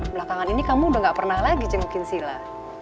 belakangan ini kamu udah ga pernah lagi jengukin sila